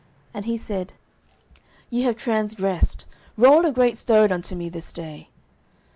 And he said, Ye have transgressed: roll a great stone unto me this day.